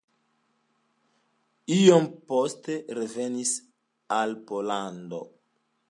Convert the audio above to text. Iom poste revenis al Pollando.